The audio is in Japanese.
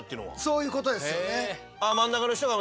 そういうことですよね。